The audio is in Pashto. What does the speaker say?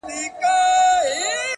سړي ښخ کئ سپي د کلي هدیره کي،